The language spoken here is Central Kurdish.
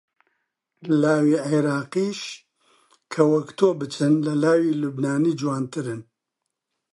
لاوی عێراقیش کە وەک تۆ بچن، لە لاوی لوبنانی جوانترن